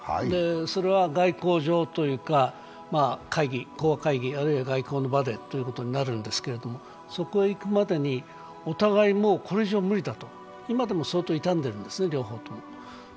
それは外交上というか、会議、講和会議、あるいは外交の場でということになるんですけれども、そこにいくまでにお互い、これ以上無理だと、今でも相当傷んでるんですね、両方とも。